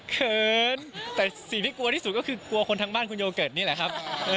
เขินแต่สิ่งที่กลัวที่สุดก็คือกลัวคนทางบ้านคุณโยเกิร์ตนี่แหละครับ